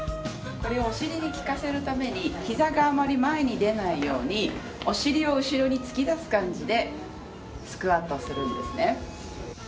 お尻に効かせるためにひざがあまり前に出ないようにお尻を後ろに突き出す感じでスクワットするんですね。